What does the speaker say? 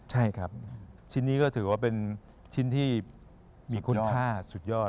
ใช่ครับชิ้นนี้ก็ถือว่าเป็นชิ้นที่มีคุณค่าสุดยอด